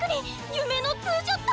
夢のツーショット！